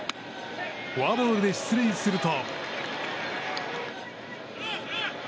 フォアボールで出塁すると。